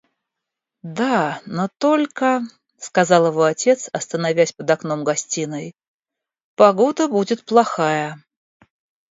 – Да, но только, – сказал его отец, остановясь под окном гостиной, – погода будет плохая.